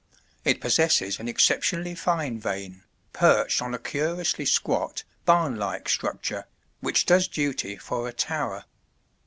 It possesses an exceptionally fine vane, perched on a curiously squat, barn like structure, which does duty for a tower.